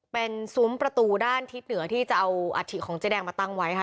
เป็นซุ้มประตูด้านทิศเหนือที่จะเอาอัฐิของเจ๊แดงมาตั้งไว้ค่ะ